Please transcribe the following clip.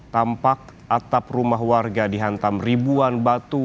tampak atap rumah warga dihantam ribuan batu